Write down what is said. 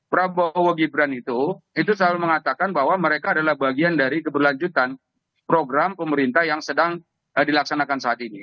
prabowo gibran itu itu selalu mengatakan bahwa mereka adalah bagian dari keberlanjutan program pemerintah yang sedang dilaksanakan saat ini